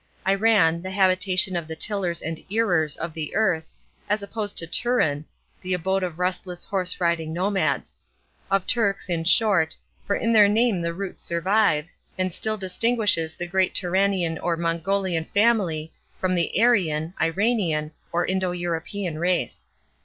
Iran, the habitation of the tillers and earers of the earth, as opposed to Turan, the abode of restless horse riding nomads; of Turks, in short, for in their name the root survives, and still distinguishes the great Turanian or Mongolian family, from the Aryan, Iranian, or Indo European race.